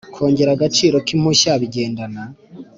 Kongera agaciro k impushya bigendana